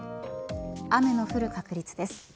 雨の降る確率です。